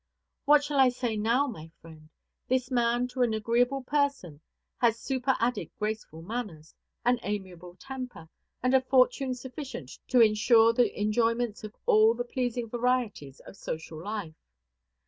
What shall I say now, my friend? This man to an agreeable person has superadded graceful manners, an amiable temper, and a fortune sufficient to insure the enjoyments of all the pleasing varieties of social life.